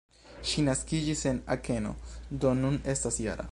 Ŝi naskiĝis en Akeno, do nun estas -jara.